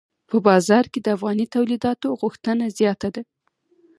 په بازار کې د افغاني تولیداتو غوښتنه زیاته ده.